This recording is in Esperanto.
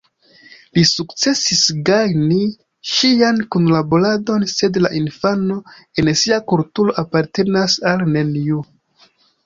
Li sukcesis gajni ŝian kunlaboradon, sed la infano en sia kulturo apartenas al neniu.